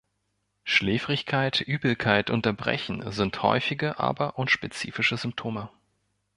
Schläfrigkeit, Übelkeit und Erbrechen sind häufige, aber unspezifische Symptome.